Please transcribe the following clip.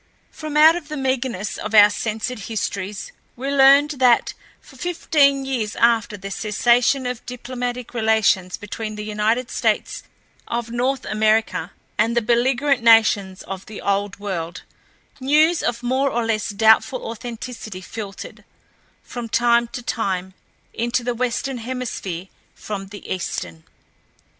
From out of the meagerness of our censored histories we learned that for fifteen years after the cessation of diplomatic relations between the United States of North America and the belligerent nations of the Old World, news of more or less doubtful authenticity filtered, from time to time, into the Western Hemisphere from the Eastern.